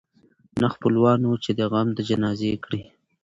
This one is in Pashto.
نه خپلوان وه چي دي غم د جنازې کړي